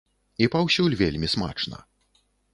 І паўсюль вельмі смачна.